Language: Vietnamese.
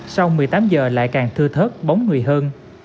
sau một mươi tám h lại càng thư thớt bóng nguy hơn